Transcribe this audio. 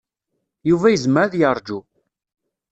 Yuba yezmer ad yeṛju.